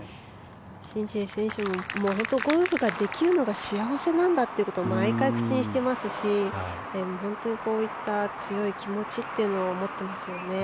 シン・ジエ選手も本当にゴルフができるのが幸せなんだということを毎回、口にしていますしこういった強い気持ちというのを持っていますよね。